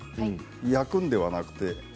焼くのではなくて。